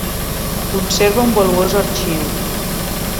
Conserva un valuós arxiu.